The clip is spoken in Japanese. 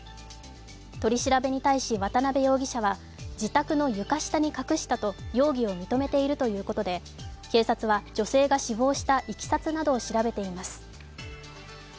取り調べに対し渡辺容疑者は自宅の床下に隠したと容疑を認めているということで、警察は女性が死亡したいきさつなどを調べています。